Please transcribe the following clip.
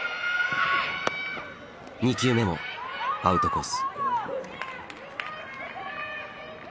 ２球目もアウトコース。